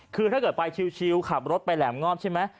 คือถ้าเกิดไปชิลขับรถไปแหลมงอบใช่ไหม